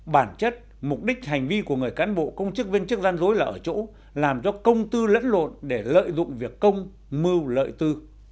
bản chất mục đích hành vi của người cán bộ công chức viên chức gian dối là ở chỗ làm cho công tư lẫn lộn để lợi dụng việc công mưu lợi tư